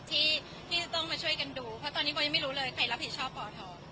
ที่จะต้องมาช่วยกันดูเพราะตอนนี้ก็ยังไม่รู้เลยใครรับผิดชอบปท